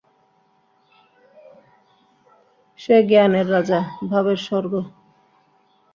সে জ্ঞানের রাজ্য, ভাবের স্বর্গ।